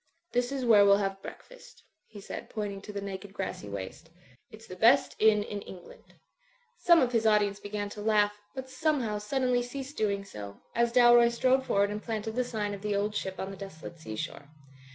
*'This is where we'll have breakfast," he said, point ing to the naked grassy waste. "It's the best inn in England.*' Some of his audience began to laugh, but somehow suddenly ceased doing so, as Dalroy strode forward and planted the sign of "The Old Ship" on the deso late sea shore.